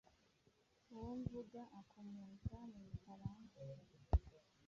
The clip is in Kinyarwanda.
Uwo mvuga akomoka mu Bufaransa